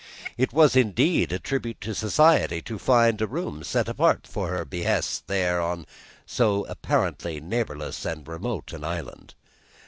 It was indeed a tribute to Society to find a room set apart for her behests out there on so apparently neighborless and remote an island.